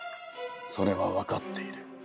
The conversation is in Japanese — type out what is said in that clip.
それは分かっている。